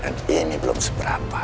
dan ini belum seberapa